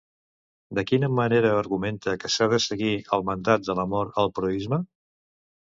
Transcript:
De quina manera argumenta que s'ha de seguir el mandat de l'amor al proïsme?